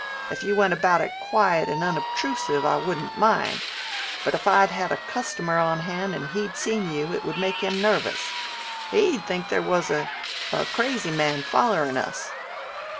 If you went about it quiet and unobtrusive, I wouldn't mind; but if I'd had a customer on hand and he'd seen you it would make him nervous. He'd think there was a a crazy man follerin' us."